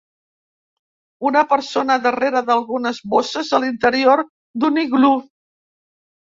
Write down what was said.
Una persona darrere d"algunes bosses a l"interior d"un iglú.